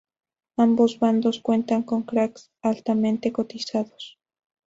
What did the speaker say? Ambos bandos cuentan con cracks altamente cotizados.